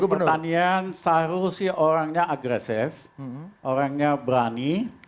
menteri pertanian selalu sih orangnya agresif orangnya berani